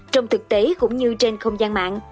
trong thực tế cũng như trên không gian mạng